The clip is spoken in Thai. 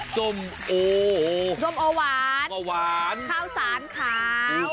ส้มโอโหวานข้าวสานขาว